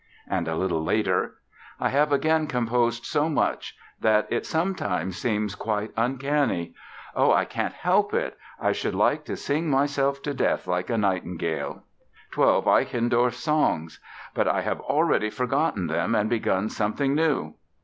And a little later: "I have again composed so much that it sometimes seems quite uncanny. Oh, I can't help it, I should like to sing myself to death like a nightingale. Twelve Eichendorff songs! But I have already forgotten them and begun something new"!